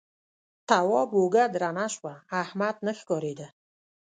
تواب اوږه درنه شوه احمد نه ښکارېده.